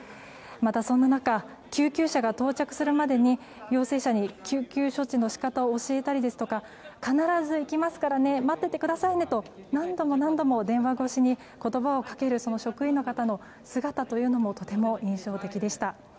また、そんな中救急車が到着するまでに要請者に救急処置の仕方を教えたりですとかかならず行きますからね待っていてくださいねと何度も電話越しに言葉をかける職員の方の姿もとても印象的でした。